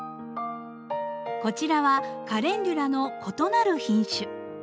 こちらはカレンデュラの異なる品種。